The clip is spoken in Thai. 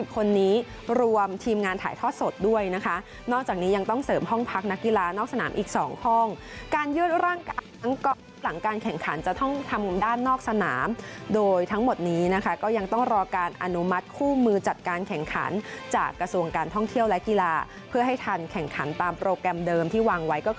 ๑๕๐คนนี้รวมทีมงานถ่ายทอดสดด้วยนะคะ